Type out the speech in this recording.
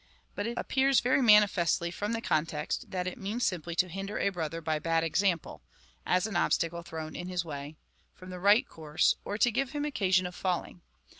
But it appears very manifestly from the context, that it means simply to hinder a brother by bad example (as an obstacle thrown in his way) from the right course, or to give him occasion of falling.